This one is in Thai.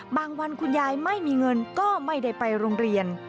วันคุณยายไม่มีเงินก็ไม่ได้ไปโรงเรียน